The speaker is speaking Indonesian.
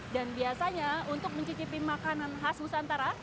dan biasanya untuk mencicipi makanan khas nusantara